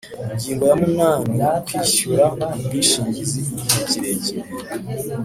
Ingingo ya munani Kwishyura ubwishingizi igihe kirekire